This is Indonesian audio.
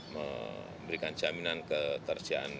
memberikan jaminan ketersediaan